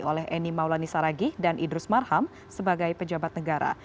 oleh eni maulani saragih dan idrus marham sebagai pejabat negara